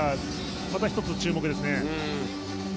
また１つ注目ですね。